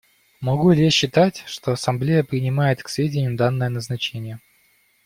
Могу ли я считать, что Ассамблея принимает к сведению данное назначение?